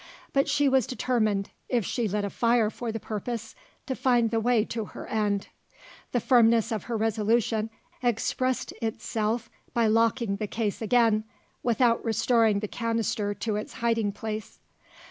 But she was determined, if she lit a fire for the purpose, to find the way to her end. The firmness of her resolution expressed itself by locking the case again, without restoring the canister to its hiding place.